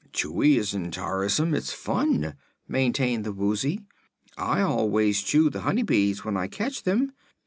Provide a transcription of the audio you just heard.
"Chewing isn't tiresome; it's fun," maintained the Woozy. "I always chew the honey bees when I catch them.